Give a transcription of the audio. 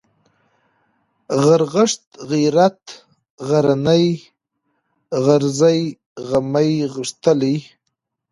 غرغښت ، غيرت ، غرنى ، غرزی ، غمی ، غښتلی